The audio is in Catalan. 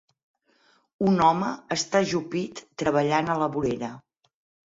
Un home està ajupit treballant a la vorera.